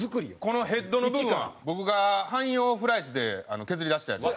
このヘッドの部分は僕が汎用フライスで削り出したやつです。